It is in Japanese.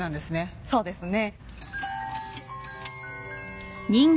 そうですね。